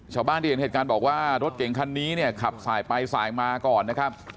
ชาวบ้านที่เห็นเหตุการณ์บอกว่ารถเก่งคันนี้เนี่ยขับสายไปสายมาก่อนนะครับ